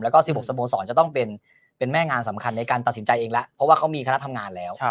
แล้วก็๑๖สโมสรจะต้องเป็นแม่งานสำคัญในการตัดสินใจเองแล้วเพราะว่าเขามีคณะทำงานแล้ว